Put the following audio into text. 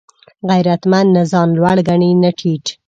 غیرتمند نه ځان لوړ ګڼي نه ټیټ